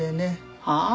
はあ？